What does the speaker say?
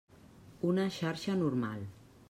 Una xarxa normal.